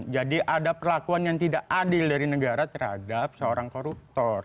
jadi ada perlakuan yang tidak adil dari negara terhadap seorang koruptor